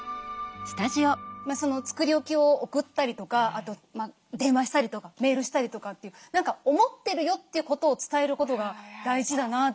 作り置きを送ったりとかあと電話したりとかメールしたりとかっていう「思ってるよ」ということを伝えることが大事だなって思いますね。